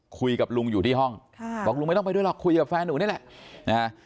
คุยกับลุงอยู่ที่ห้องบอกลุงไม่ต้องไปด้วยหรอกคุยกับแฟนหนูนี่แหละนะฮะ